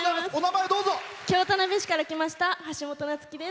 京田辺市から来ました。